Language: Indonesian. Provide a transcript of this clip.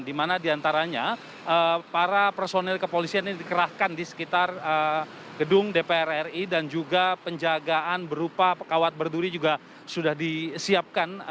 di mana diantaranya para personil kepolisian ini dikerahkan di sekitar gedung dpr ri dan juga penjagaan berupa kawat berduri juga sudah disiapkan